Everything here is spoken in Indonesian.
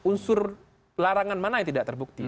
unsur larangan mana yang tidak terbukti